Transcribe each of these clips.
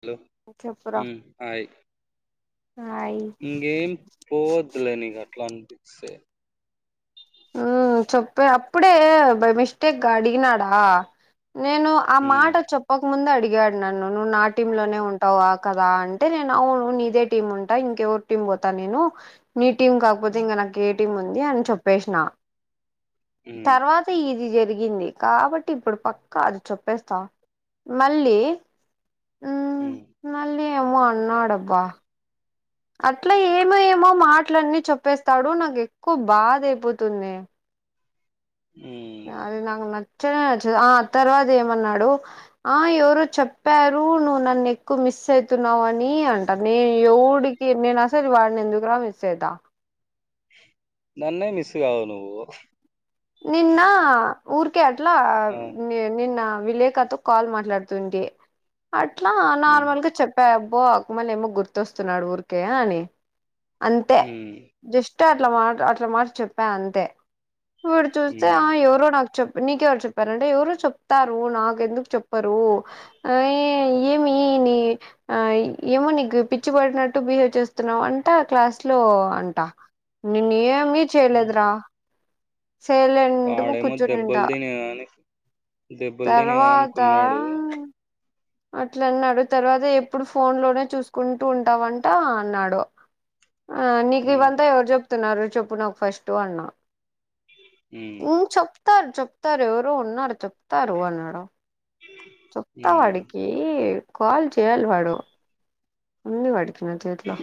hello చెప్పురా hi hi ఇకేం పోవదులేనిక అట్లా అనిపిస్తే మ్మ్ చెప్పే అప్పుడే బై మిస్టేక్గా అడిగినాడా నేను ఆ హ్మ్ మాట చెప్పక ముందు అడిగి అడిగాడు నన్ను నువ్వు నా టీమ్ లోనే ఉంటావా కదా అంటే నేను అవును నీదే టీం ఉంటా ఇంకెవ టీం పోతా నేను నీ టీమ్ కాకపోతే ఇంకా నాకు ఏ టీం ఉంది అని చెప్ పేసిన హ్మ్ తర్వాత ఇది జరిగి జగింది కాబట్టి ఇప్పుడు పక్కా అది చొప్పేస్తా మళ్ళీ హ్మ్ అమో అన్నాడబ్బా అట్లా ఏమో ఏమో మాటలన్నీ చెప్పేస్తాడు నాకు ఎక్కువ బాధ అయిపోతుంది హ్మ్ అది నాక నా నే నచ్చదు ఆ ఆ తర్వాత ఏమన్నాడు ఆ ఎవరు చెప్పారు నువ్వు నన్ను ఎక్కువ మిస్ మిస్ అయితునావు అని నీ అంట నేను ఎవుడికి నేను అసలు వాడిని ఎందుకురా మిస్ అయితా నన్నే మిస్గావు నువ్వు నిన్న ఊర్కే ఆట్లా ఆ నిన్న విలేకతో కాల్ మాట్లాడుతుండే అట్లా హ్మ్ నార్మల్ గా చెప్పా బ్ బో ఆకుమళ ఏమో గుర్తొస్తున్నాడు ఊరికే అని అంతే హ్మ్ జస్ట్ టే అట్లా మా అట్ల మాట చెప్పా అంతే విడు చూస్తే హ్మ్ ఎవరో నాకు చెప్తే నీకెవరు చెప్పారంటే ఎవరు చెప్తారు నాకు ఎందుకు చెప్పరు యే ఏమి నీ ఆ ఏమో నీకు పిచ్చి పడినట్టు బిహేవ్ చేస్తున్నావు అంటా క్లాస్ లో ఓ అంటా నిన్న ఏమి చేయలేదురా సైలెంట్ గా ఆడేమో కూర్చునింట దెబ్బలుదిని అనికి దెబ్బల్దినిద అనుకున్నాడు అట్ల అన్నాడు తర్వాత ఎప్పుడు ఫోన్ లోనే చూసుకుంటూ ఉంటావంట అన్నాడు ఆ నీకు హ్మ్ ఇవంతా ఎవరు చెప్తున్నారు చెప్పు నాకు ఫస్ట్ అన్నా హ్మ్ చెప్తారు చెప్తారు ఎవరో ఉన్నారు చెప్తారు అన్నాడు చత్త హ్మ్ వాడికి కాల్ చేయాలి వాడు అన్ని వాడికి ట్లో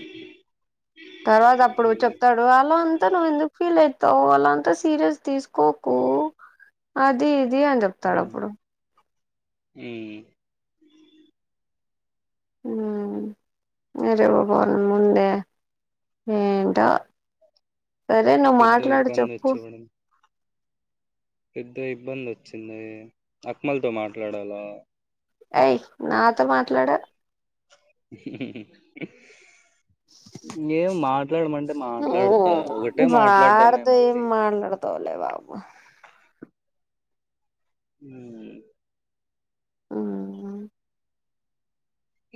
తర్వాత అప్పుడు చెప్తాడు వాలో అంతా నువ్వు ఎందుకు ఫీల్ అయి తవు అలంతా సీరియస్ తీసుకోకు అది ఇది అని చెప్తాడు అప్పుడు ఈ హ్మ్ రేవ పోల ముందే ఏంట సరే నువ్వు పెద్ద మాట్లాడు ఇబ్బంది చెప్పు వచ్చేవడం పెద్ద ఇబ్బంది వచ్చింది అక్మల్తో మాట్లాడాలా ఎయ నాతో మాట్లాడు ఎం మా మాట్లాడమంటే మాట్లాడతా ఒకటే మాట్లాడమే మళ్ళీ తోలేబాబు ఊ ఆ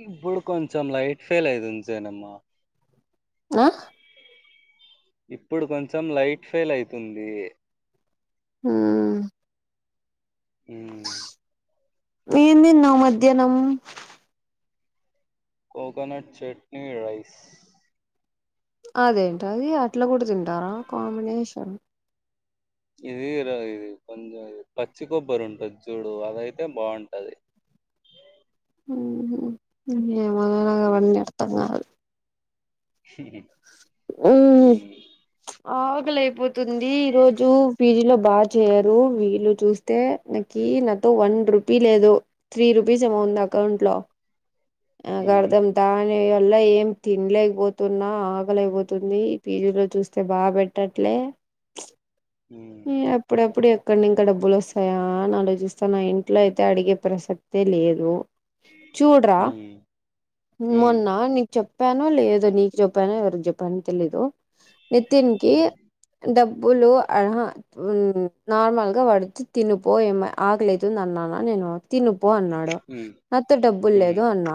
ఇప్పుడు కొంచెం లైట్ ఫెయిల్ [unintelligible] ఆ ఇప్పుడు కొంచెం లైట్ ఫెయిల్ అయితుంది ఊ ఉ ఏమి తిన్నావ్ మధ్యాహ్నం కోకోనట్ చట్నీ రైస్ అదేంటి అది అట్లా కూడా తింటారా కాంబినేషన్ ఇది ఇది కొంచం పచ్చి కొబ్బరి ఉంటది చూడు అది అయితే బాగుంటది ఏమో అండి నాకు అవన్నీ అర్థం కాదు ఉ ఆకలియిపోతుంది ఈ రోజు పీజీ లో బాగా చేయరు వీళ్ళు చూస్తే కి నాతో వన్ రూపీ లేదు త్రీ రూపీస్ ఏమో ఉంది అకౌంట్లో ఆ హ్మ్ గర్దం తానే ఇగ ల్ల ఏం తినలేకపోతున్నా అకలైపోతుంది పీజీ లో చూస్త స్తే బాగా పెట్టట్లే హ్మ్ ఏప్పుడప్పుడు కొన్ని ఇంకా డబ్బులు వస్తాయా అని ఆలోచిస్తాన్న ఇంట్లో అయితే అడిగే ప్రసక్తే లేదు చూడరా హ్మ్ హ్మ్ మొన్న నీకు చెప్పానా లేదో నీకు చెప్పు చెప్పానో ఎవరు చెప్పానో తెలిదు నితిన్ కి హ్మ్ డబ్ బులు ఆహా ఉ నార్మల్గా వాడు వచ్చి తినుపో ఏమ ఆకలి అయితుంది అన్నాన నేను తినుపో అన్నాడు హ్మ్ నాతో డబ్బులు లేదు హ్మ్ అన్నా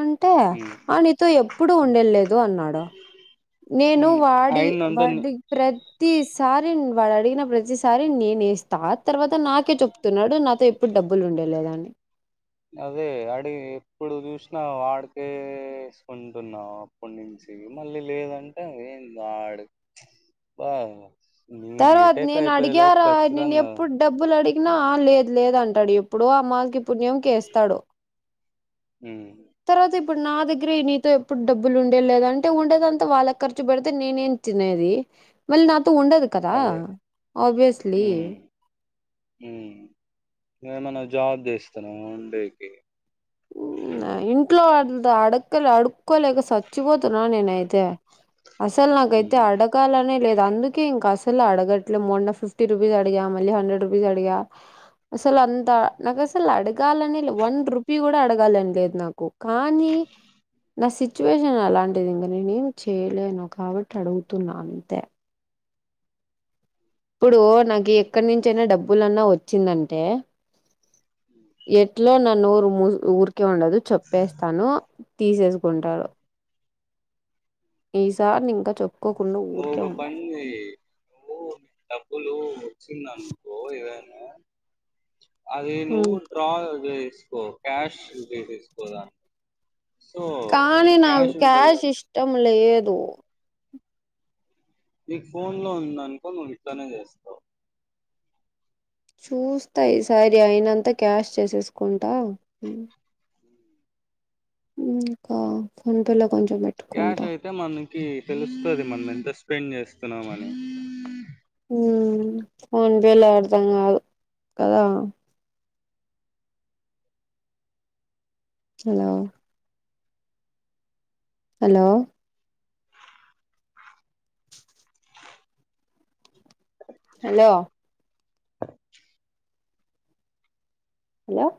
అంటే హ్మ్ ఆ నీతో ఎప్పుడు ఉండేలేదు అన్నాడు నేను హ్మ్ వాడు డి అయిందంతా ని వాడి ప్రతి ప్రతిసారి వాడు అడిగిన ప్రతిసారి నేనే వేస్తా తర్వాత నాకే చెప్తున్నాడు నాతో ఎప్పుడు డబ్బులు ఉండే లేదా అనీ అదే అడి ఎప్పుడు చూసినా వాడికేేసుకుంటున్నాం అప్పటి నుంచి తిని మళ్ళీ లేదంటే ఏంది ఆడు బా తర్వాత నేను అడిగారా నేను ఖచ్చితంగా ఎప్పుడు డబ్బులు అడిగి నా లేదు లేదు అంటాడు ఎప్పుడో అమాస్యకి పుణ్యంకి ఏస్తాడు హ్మ్ తర్వాత ఇప్పుడు నా దగ్గరే నీతో ఎప్పుడు డబ్బులు ఉండే లేద అంటే ఉండేదంతా వాళ్ళకి ఖర్చు పెడితే నేనేం తినేది మళ్ళీ నాతో ఉండదు కదా అదే ఆబయస్లీ ఊ నువ్వు ఏమన్నా జాబ్ చేస్తున్నావా అండి ఉ ఏ ఇంట్లో అంత అడుక్కో అడుక్కోలేక సచ్చిపోతున్నాను నేనైతే అసలు నాకైతే ఉమ్ అడగాలనే లేదు అందుకే ఇంకా అసలు అడగట్లే మొన్న ఫిఫ్టీ రుపీస్ అడిగా మళ్ళీ హండ్రెడ్ రూపీస్ అడిగా అసలు అంతా నాకు అసలు అడగాలనే వన్ రుపీ పి కూడా అడగాలని లేదు నాకు కానీ నా సి సిచ్యువేషన్ అలాంటిది ఇంకా నేనేం చేయలేను కాబట్టి అడుగుతున్నా అంతే ఇప్పుడు నాకు ఎక్కడి నుంచి అయినా డబ్బులున్నా వచ్చిందంటే ఎట్లో న నోరు ఊరికే ఉండదు చెప్పేస్తాను తీసేసుకుంటాడు ఈ సార్నింక చొప్ నువ్ ఒక పని చెయ్ నువ్వు డబ్బులు వచ్చిందనుకో ఇదే అది నువ్వు డ్రా చేసుకో క్యాష్ చేససుకోదాన్ని కానీ నాకు క్యాష్ ఇష్టం లేదు నీకు ఫోన్ లో ఉంది అనుకో నువ్వు ఇట్లనే చేస్తావు చూస్త ఈసారి అయినంత క్యాష్ చేసేసుకుంటా ఇంకా ఫోన్పేలో కొంచెం పెట్టుకుంట క్యాష్ అయితే మనకి తెలుస్తది మనం ఎంత స్పెండ్ చేస్తున్నామ అని ఫోన్పేల అర్థం కాదు కదా హలో హలో హలో హలో